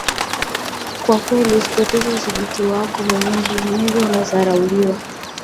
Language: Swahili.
kwa kweli usipoteze udhibiti wako mwenyewe vinginevyo unadharauliwa